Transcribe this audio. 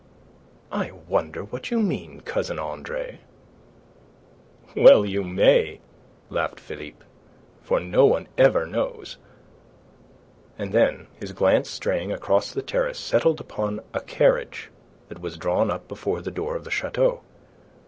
"I wonder what you mean, Cousin Andre." "Well you may," laughed Philippe. "For no one ever knows." And then, his glance straying across the terrace settled upon a carriage that was drawn up before the door of the chateau.